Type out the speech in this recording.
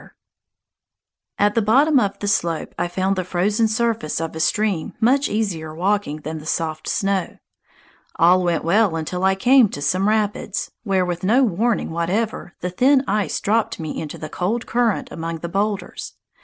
[Illustration: A SNOW SLIDE TRACK] At the bottom of the slope I found the frozen surface of a stream much easier walking than the soft snow. All went well until I came to some rapids, where, with no warning whatever, the thin ice dropped me into the cold current among the boulders.